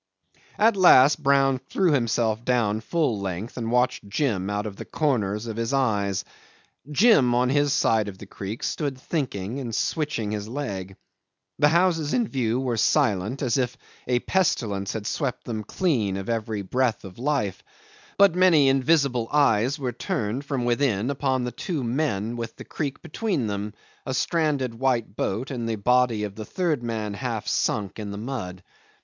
'At last Brown threw himself down full length and watched Jim out of the corners of his eyes. Jim on his side of the creek stood thinking and switching his leg. The houses in view were silent, as if a pestilence had swept them clean of every breath of life; but many invisible eyes were turned, from within, upon the two men with the creek between them, a stranded white boat, and the body of the third man half sunk in the mud.